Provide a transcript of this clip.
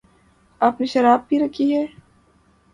آپ نے شراب پی رکھی ہے؟